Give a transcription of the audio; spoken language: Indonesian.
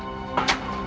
aku sudah selesai makan